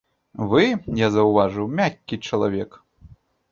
Вы, я заўважыў, мяккі чалавек.